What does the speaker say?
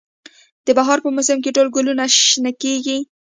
د بهار په موسم کې ټول ګلونه شنه کیږي